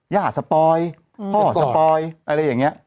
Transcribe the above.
ย่าสปอยพ่อสปอยอะไรอย่างนี้